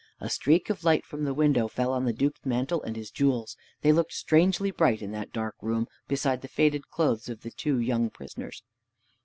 A streak of light from the window fell on the Duke's mantle and his jewels. They looked strangely bright in that dark room beside the faded clothes of the two young prisoners.